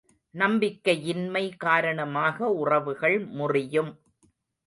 நம்பிக்கையின்மை காரணமாக உறவுகள் முறியும்.